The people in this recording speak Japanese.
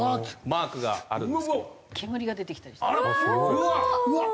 うわっ！